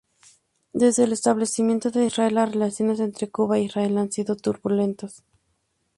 Desde el establecimiento de Israel, las relaciones entre Cuba e Israel han sido turbulentas.